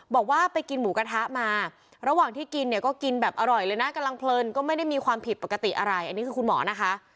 บอกว่าไปกินหมูกระทะมาระหว่างที่กินเนี่ยก็กินแบบอร่อยเลยนะกำลังเพลินก็ไม่ได้มีความผิดปกติอะไรอันนี้คือคุณหมอนะคะ